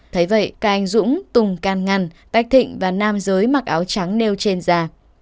thấy vậy cả anh dũng tùng can ngăn tách thịnh và nam giới mặc áo trắng nêu trên da